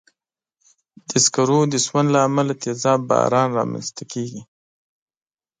د سکرو د سون له امله تېزاب باران رامنځته کېږي.